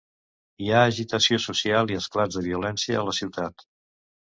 Hi ha agitació social i esclats de violència a la ciutat.